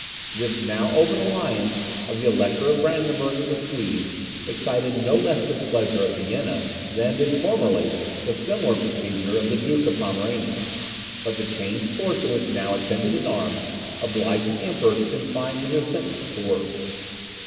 This now open alliance of the Elector of Brandenburg with the Swedes, excited no less displeasure at Vienna, than did formerly the similar procedure of the Duke of Pomerania; but the changed fortune which now attended his arms, obliged the Emperor to confine his resentment to words.